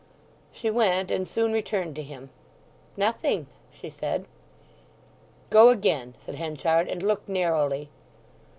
She went, and soon returned to him. "Nothing," she said. "Go again," said Henchard, "and look narrowly."